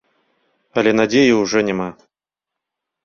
Але надзеі ўжо няма.